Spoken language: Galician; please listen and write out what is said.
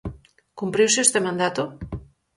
Cumpriuse este mandato?